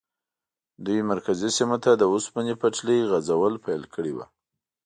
دوی مرکزي سیمو ته د اوسپنې پټلۍ غځول پیل کړي وو.